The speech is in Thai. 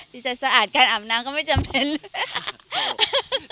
จิตใจสะอาดการอำนางก็ไม่จำเป็นเลย